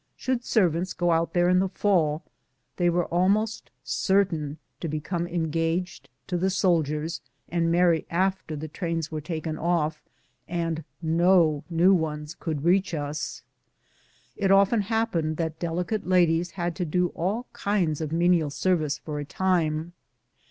Should servants go out there in the fall, they were almost certain to become engaged to the soldiers and marry after the trains were taken ofE and no new ones could reach ns. It often happened that delicate ladies had to do all kinds of menial service for a time.